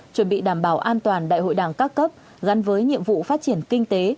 chuẩn bị đảm bảo an toàn đại hội đảng các cấp gắn với nhiệm vụ phát triển kinh tế